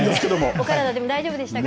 お体大丈夫でしたか？